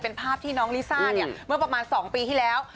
เป็นภาพที่น้องลิซ่าเนี่ยเมื่อประมาณ๒ปีที่แล้ว